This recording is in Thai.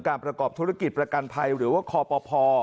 ประกอบธุรกิจประกันภัยหรือว่าคอปภ